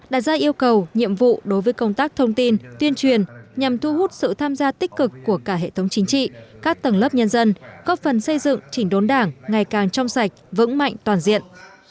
đặt ra yêu cầu nhiệm vụ đối với công tác thông tin tuyên truyền nhằm thu hút sự tham gia tích cực của cả hệ thống chính trị các tầng lớp nhân dân góp phần xây dựng chỉnh đốn đảng ngày càng trong sạch vững mạnh toàn diện